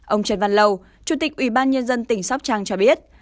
ông trần văn lâu chủ tịch ủy ban nhân dân tỉnh sóc trang cho biết